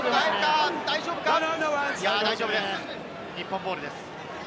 日本ボールです。